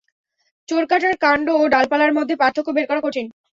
চোরকাটার কাণ্ড ও ডালপালার মধ্যে পার্থক্য বের করা কঠিন।